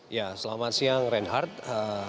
ya selamat siang reinhardt